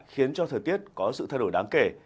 khiến cho thời tiết có sự thay đổi đáng kể